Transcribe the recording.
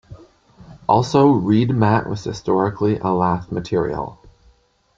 Also reed mat was historically a lath material.